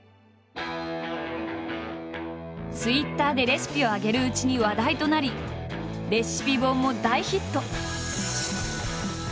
ツイッターでレシピを上げるうちに話題となりレシピ本も大ヒット！